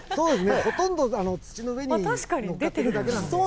ほとんど土の上にのっかってるだけなんで。